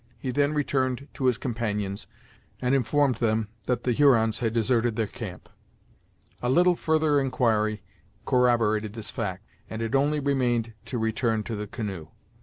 He then returned to his companions, and informed them that the Hurons had deserted their camp. A little further inquiry corroborated this fact, and it only remained to return to the canoe.